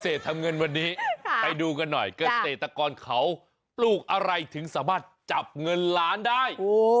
ทำเงินวันนี้ไปดูกันหน่อยเกษตรกรเขาปลูกอะไรถึงสามารถจับเงินล้านได้